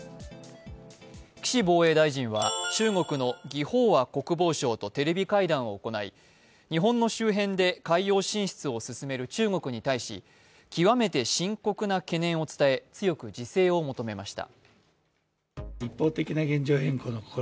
岸防衛大臣は中国の魏鳳和国防相とテレビ会談を行い日本の周辺で海洋進出を進める中国に対し、極めて深刻な懸念を伝え、強く自制を求めました。